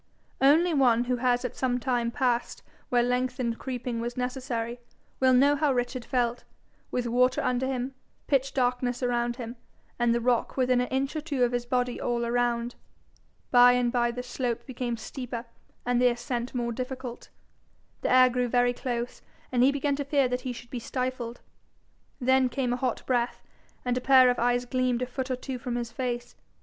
Only one who has at some time passed where lengthened creeping was necessary, will know how Richard felt, with water under him, pitch darkness about him, and the rock within an inch or two of his body all round. By and by the slope became steeper and the ascent more difficult. The air grew very close, and he began to fear he should be stifled. Then came a hot breath, and a pair of eyes gleamed a foot or two from his face.